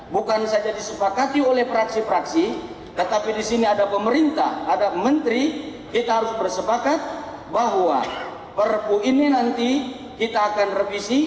bukan saja disepakati oleh praksi praksi tetapi di sini ada pemerintah ada menteri kita harus bersepakat bahwa perpu ini nanti kita akan revisi